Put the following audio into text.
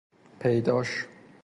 پیداش